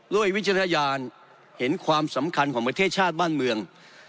วิจารณญาณเห็นความสำคัญของประเทศชาติบ้านเมือง